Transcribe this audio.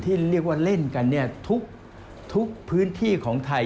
ที่เรียกว่าเล่นกันทุกพื้นที่ของไทย